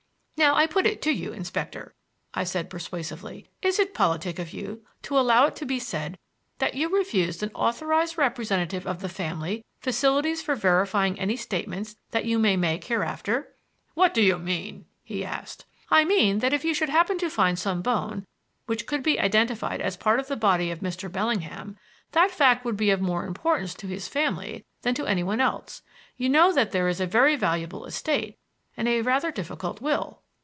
"Now I put it to you, Inspector," said I, persuasively, "is it politic of you to allow it to be said that you refused an authorized representative of the family facilities for verifying any statements that you may make hereafter?" "What do you mean?" he asked. "I mean that if you should happen to find some bone which could be identified as part of the body of Mr. Bellingham, that fact would be of more importance to his family than to anyone else. You know that there is a very valuable estate and a rather difficult will."